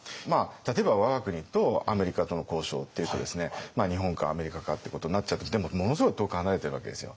例えば我が国とアメリカとの交渉っていうとですね日本かアメリカかってことになっちゃってでもものすごい遠く離れてるわけですよ。